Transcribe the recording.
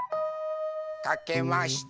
かけました。